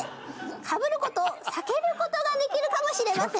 「かぶることを避けることができるかもしれませんね」